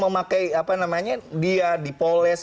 memakai apa namanya dia dipoles